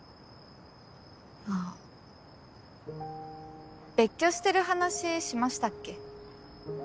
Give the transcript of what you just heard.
あっ別居してる話しましたっけ？